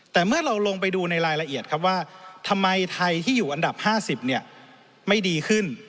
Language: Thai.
แต่เมื่อเราลงไปดูในรายละเอียดครับว่าทำไมไทยที่อยู่อันดับ๕๐ไม่ดีขึ้น